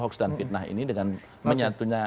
hoax dan fitnah ini dengan menyatunya